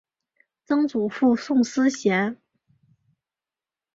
曾祖父宋思贤。